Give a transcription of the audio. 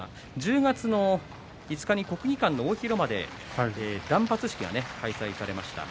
１０月５日に国技館の大広間で断髪式が開催されました。